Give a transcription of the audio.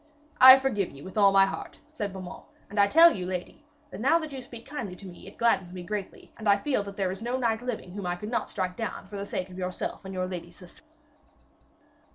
'I forgive ye with all my heart,' said Sir Beaumains, 'and I tell you, lady, that now that you speak kindly to me, it gladdens me greatly, and I feel that there is no knight living whom I could not strike down for the sake of yourself and your lady sister.'